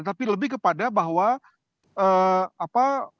tapi lebih kepada bahwa apa